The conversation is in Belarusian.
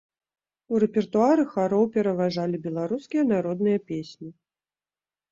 У рэпертуары хароў пераважалі беларускія народныя песні.